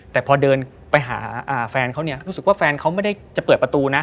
แต่พอเดินไปหาแฟนเขาเนี่ยรู้สึกว่าแฟนเขาไม่ได้จะเปิดประตูนะ